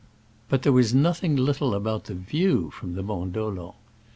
But there was nothing little about the view from the Mont Dolent.